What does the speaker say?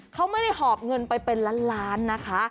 เขาไม่ได้หอบเงินไปเป็นล้านล้านนะคะ